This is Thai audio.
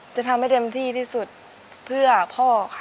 จะทำให้เต็มที่ที่สุดเพื่อพ่อค่ะ